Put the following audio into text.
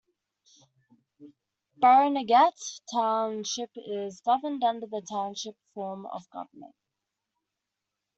Barnegat Township is governed under the township form of government.